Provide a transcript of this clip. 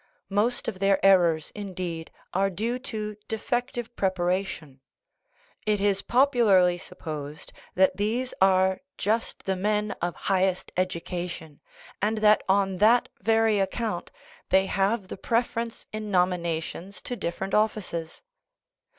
Most of their errors, indeed, are due to defective preparation. It is popularly supposed that these are just the men of highest education, and that on that very account they have the preference in nominations to different offices.